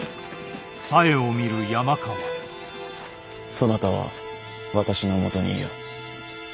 そなたは私のもとにいよ。